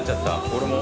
俺も。